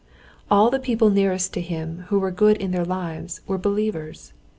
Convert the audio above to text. All the people nearest to him who were good in their lives were believers.